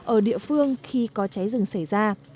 ở địa phương khi có cháy rừng xảy ra